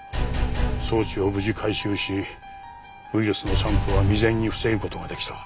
装置を無事回収しウイルスの散布は未然に防ぐ事ができた。